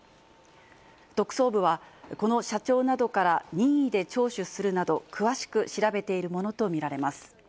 特捜部は、この社長などから任意で聴取するなど、詳しく調べているものと見られます。